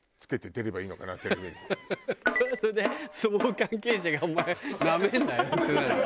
それはそれで相撲関係者が「お前なめんなよ！」ってなるもんね。